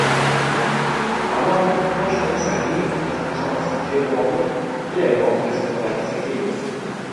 Амаль кожная цагліна пазначалася фірмовым кляймом гаспадара цагельні.